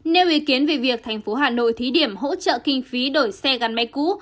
nêu ý kiến về việc thành phố hà nội thí điểm hỗ trợ kinh phí đổi xe gắn máy cũ